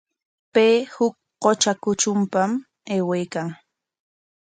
Pay huk qutra kutrunpa aywaykan.